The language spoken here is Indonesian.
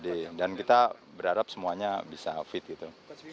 dan kita berharap semuanya bisa fit gitu